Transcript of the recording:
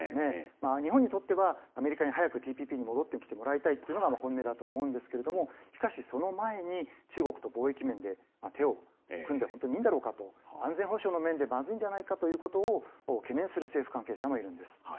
日本にとっては、アメリカに早くＴＰＰに戻ってきてもらいたいというのが本音だと思うんですけれども、しかしその前に、中国と貿易面で手を組んで、本当にいいんだろうかと、安全保障の面でまずいんじゃないかということを懸念する政府関係者もいるんです。